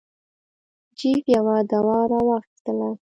جیف یوه دوا را واخیستله.